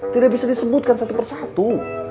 tidak bisa disebutkan satu persatu